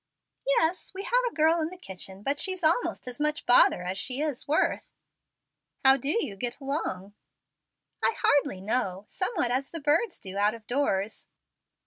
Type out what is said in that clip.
"Yes, we have a girl in the kitchen, but she's almost as much bother as she is worth." "How do you get along?" "I hardly know somewhat as the birds do out of doors."